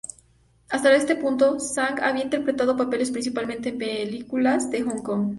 Hasta ese punto, Tsang había interpretado papeles principalmente en películas de Hong Kong.